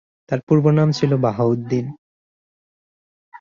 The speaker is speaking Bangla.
তাঁর পূর্বনাম ছিল বাহাউদ্দিন।